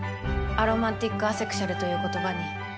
アロマンティック・アセクシュアルという言葉に。